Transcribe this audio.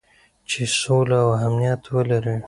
چې سوله او امنیت ولري.